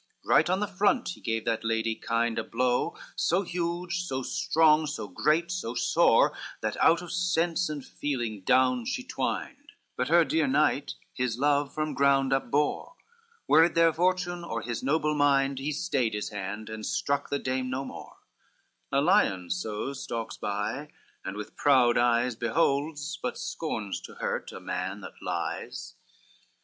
XLIII Right on the front he gave that lady kind A blow so huge, so strong, so great, so sore, That out of sense and feeling, down she twined: But her dear knight his love from ground upbore, Were it their fortune, or his noble mind, He stayed his hand and strook the dame no more: A lion so stalks by, and with proud eyes Beholds, but scorns to hurt a man that lies.